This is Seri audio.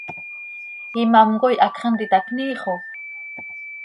¿Imám coi hacx hant itacniiix oo?